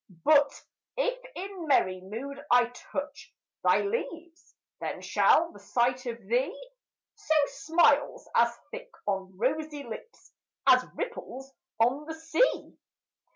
But if in merry mood I touch Thy leaves, then shall the sight of thee Sow smiles as thick on rosy lips As ripples on the sea.